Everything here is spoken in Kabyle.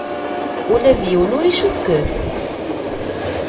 Ula d yiwen ur icukket.